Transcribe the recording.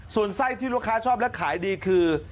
ส่วนไส้ที่ลูกค้าชอบและขายดีคือ